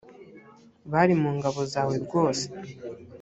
bari mu ngabo zawe rwose